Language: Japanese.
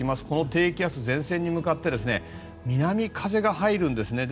この低気圧、前線に向かって南風が入るんです。